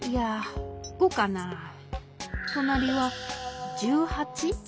となりは１８？